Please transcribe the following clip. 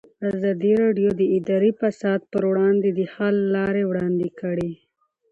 ازادي راډیو د اداري فساد پر وړاندې د حل لارې وړاندې کړي.